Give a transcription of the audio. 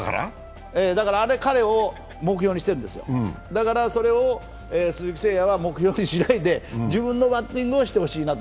だから、彼を目標にしてるんですよだからそれを鈴木誠也は目標にしないで自分のバッティングをしてほしい。